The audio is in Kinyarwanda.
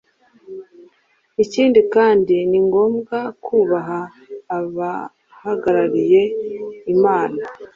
Ikindi kandi ni ngombwa kubaha abahagarariye Imana.